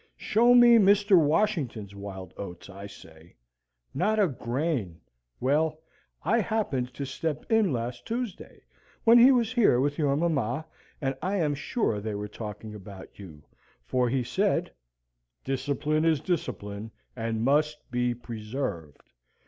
Show me Mr. Washington's wild oats, I say not a grain! Well, I happened to step in last Tuesday, when he was here with your mamma; and I am sure they were talking about you, for he said, 'Discipline is discipline, and must be preserved.